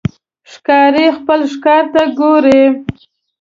ښکاري خپل ښکار ته ګوري.